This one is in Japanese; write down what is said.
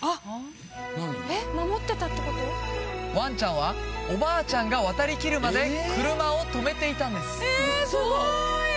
ワンちゃんはおばあちゃんが渡りきるまで車を止めていたんです